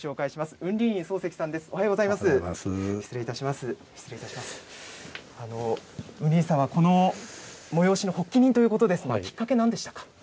雲林院さんはこの催しの発起人ということですが、きっかけなんでしたか。